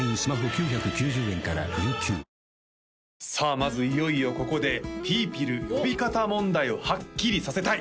まずいよいよここでぴーぴる呼び方問題をはっきりさせたい！